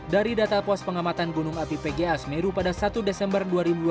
dari data pos pengamatan gunung api pga semeru pada satu desember dua ribu dua puluh